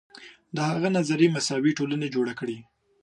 د هغه نظریې مساوي ټولنې جوړې کړې.